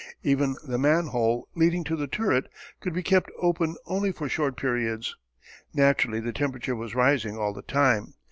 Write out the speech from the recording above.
Even the manhole, leading to the turret, could be kept open only for short periods. Naturally the temperature was rising all the time.